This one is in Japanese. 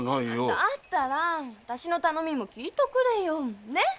だったら私の頼みも聞いとくれよねっ。